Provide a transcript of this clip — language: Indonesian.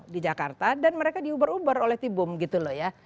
di jakarta dan mereka diuber uber oleh tibum gitu loh ya